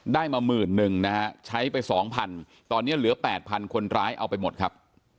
ได้มาหมื่นหนึ่งนะฮะใช้ไป๒๐๐ตอนนี้เหลือ๘๐๐คนร้ายเอาไปหมดครับ